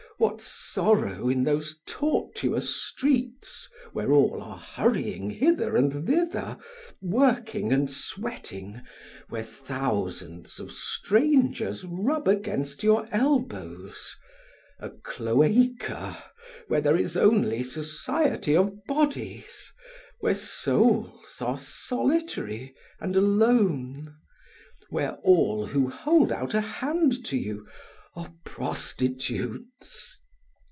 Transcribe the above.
What sorrow in those tortuous streets where all are hurrying hither and thither, working and sweating, where thousands of strangers rub against your elbows; a cloaca where there is only society of bodies, while souls are solitary and alone, where all who hold out a hand to you are prostitutes!